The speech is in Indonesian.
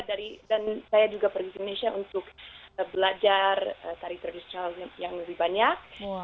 dan saya juga pergi ke indonesia untuk belajar tari tradisional yang lebih banyak